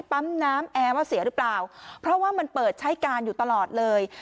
ปั๊มน้ำแอร์ว่าเสียหรือเปล่าเพราะว่ามันเปิดใช้การอยู่ตลอดเลย